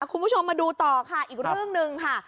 คุณผู้ชมมาดูต่อค่ะอีกเรื่องหนึ่งค่ะ